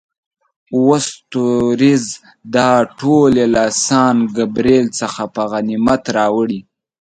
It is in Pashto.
اووه ستوریز، دا ټول یې له سان ګبرېل څخه په غنیمت راوړي.